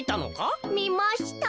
みました。